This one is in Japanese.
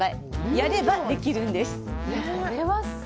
やればできるんです！